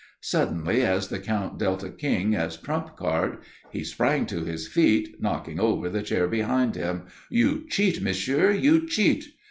Suddenly, as the Count dealt a king as trump card, he sprang to his feet knocking over the chair behind him. "You cheat, monsieur. You cheat!"